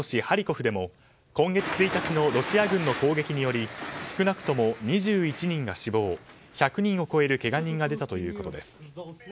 ハリコフでも今月１日のロシア軍の攻撃により少なくとも２１人が死亡１００人を超えるけが人が出たということです。